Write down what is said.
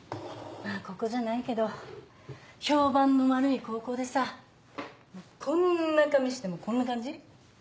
まぁここじゃないけど評判の悪い高校でさこんな髪してこんな感じ。